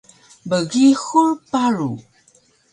Bgihur paru